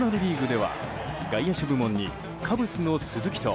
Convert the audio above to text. では外野手部門にカブスの鈴木と